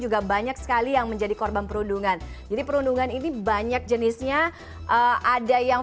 juga banyak sekali yang menjadi korban perundungan jadi perundungan ini banyak jenisnya ada yang